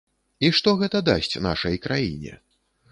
І што гэта дасць нашай краіне?